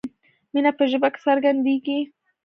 مینه په ژبه کې څرګندیږي.